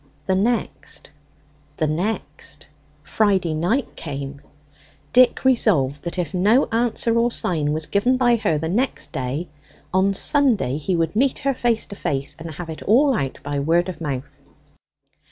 The next. The next. Friday night came. Dick resolved that if no answer or sign were given by her the next day, on Sunday he would meet her face to face, and have it all out by word of mouth.